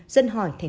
dân hỏi tp hcm